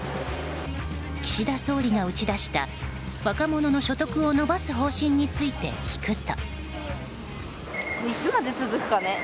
岸田総理が打ち出した若者の所得を伸ばす方針について聞くと。